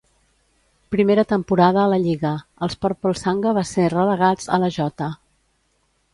Primera temporada a la lliga, els Purple Sanga van ser relegats a la J.